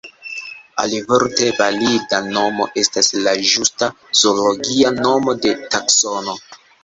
Alivorte: valida nomo estas la ĝusta zoologia nomo de taksono.